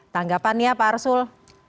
tanggapannya pak arsul